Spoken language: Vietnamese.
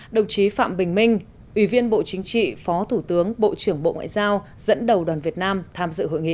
đồng chí phạm bình minh ủy viên bộ chính trị phó thủ tướng bộ trưởng bộ ngoại giao dẫn đầu đoàn việt nam tham dự hội nghị